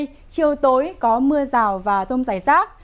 trong ba ngày tới chiều tối có mưa rào và rông giải rác